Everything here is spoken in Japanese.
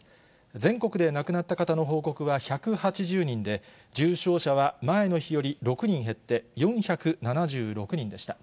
全国で亡くなった方の報告は１８０人で、重症者は前の日より６人減って４７６人でした。